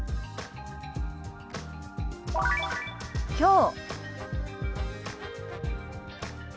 きょう。